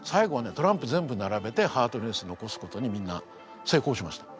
トランプ全部並べてハートのエース残すことにみんな成功しました。